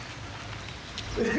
えっ？